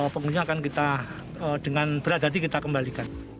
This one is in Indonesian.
pengunjung akan kita dengan beradati kita kembalikan